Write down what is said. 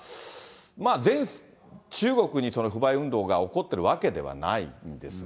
まあ中国に不買運動が起こってるわけではないんですが。